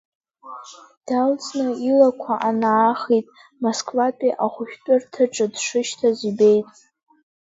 Далҵны илақәа анаахит, Москватәи ахәышәтәырҭаҿы дшышьҭаз ибеит.